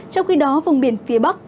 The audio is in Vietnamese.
trong khi đó vùng biển phía bắc